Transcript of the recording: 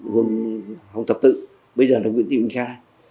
gồm hồng tập tự bây giờ là nguyễn tị bình khai